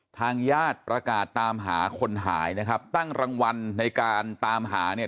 ทางญาติประกาศตามหาคนหายนะครับตั้งรางวัลในการตามหาเนี่ย